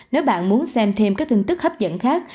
nếu bạn muốn xem thêm các tin tức hấp dẫn khác